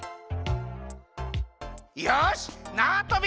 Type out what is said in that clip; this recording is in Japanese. よしなわとび